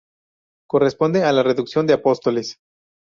Corresponde a la Reducción de Apóstoles.